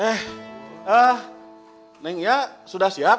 eh ah neng ya sudah siap